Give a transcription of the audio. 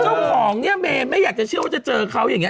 จ้าของเนี่ยเมบแม่งไม้อยากเชี่ยวว่าจะเจอเขาอย่างเงี้ย